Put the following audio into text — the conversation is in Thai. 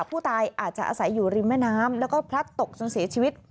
ผู้ตายอาจจะอาศัยอยู่ริมแม่น้ำแล้วก็พลัดตกจนเสียชีวิต